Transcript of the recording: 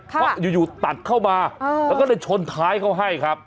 เพราะอยู่ตัดเข้ามาแล้วก็เลยชนท้ายเขาให้ครับ